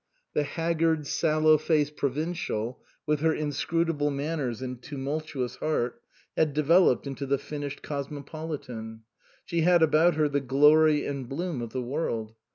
The haggard, sallow faced provin cial, with her inscrutable manners and tumul tuous heart, had developed into the finished cosmopolitan ; she had about her the glory and bloom of the world.